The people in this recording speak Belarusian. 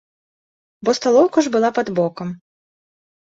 Бо сталоўка ж была пад бокам.